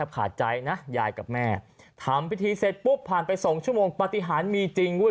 ขาดใจนะยายกับแม่ทำพิธีเสร็จปุ๊บผ่านไป๒ชั่วโมงปฏิหารมีจริง